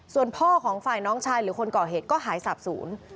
ส่วนพ่อของฝ่ายน้องชายหรือคนก่อเหตุก็หายสาบศูนย์